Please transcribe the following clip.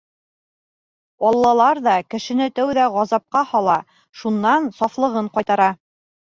Аллалар ҙа кешене тәүҙә ғазапҡа һала, шунан сафлығын ҡайтара.